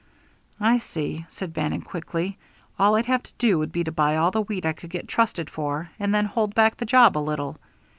"I see," said Bannon, quickly. "All I'd have to do would be to buy all the wheat I could get trusted for and then hold back the job a little.